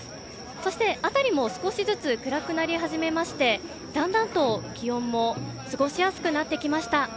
そして、辺りも少しずつ暗くなり始めましてだんだんと気温も過ごしやすくなってきました。